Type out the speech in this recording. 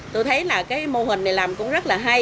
tôi thấy là cái mô hình này làm cũng rất là hay